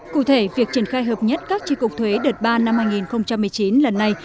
cụ thể việc triển khai hợp nhất các tri cục thuế đợt ba năm hai nghìn một mươi chín lần này